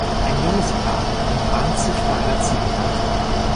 Ein junges Paar umarmt sich vor einer Ziegelwand.